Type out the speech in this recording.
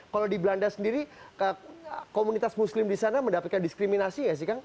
kalau di belanda sendiri komunitas muslim di sana mendapatkan diskriminasi nggak sih kang